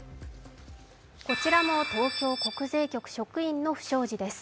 こちらも東京国税局職員の不祥事です。